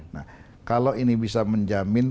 nah kalau ini bisa menjamin